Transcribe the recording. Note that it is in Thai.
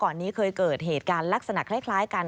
นี้เคยเกิดเหตุการณ์ลักษณะคล้ายกัน